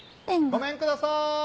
ごめんくださーい！